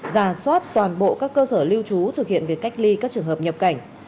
giả soát toàn bộ các cơ sở lưu trú thực hiện việc cách ly các trường hợp nhập cảnh